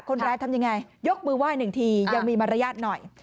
ทำยังไงยกมือไหว้หนึ่งทียังมีมารยาทหน่อย